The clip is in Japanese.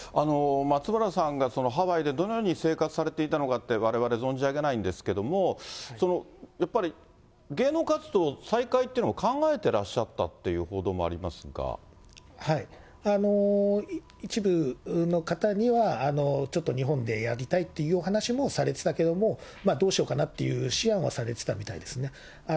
松原さんがハワイでどのように生活されていたのかって、われわれ、存じ上げないんですけれども、やっぱり、芸能活動再開っていうのを考えてらっしゃったっていう報道もあり一部の方には、ちょっと日本でやりたいっていうお話もされてたけども、どうしようかなっていう思案はされてたみたいですね。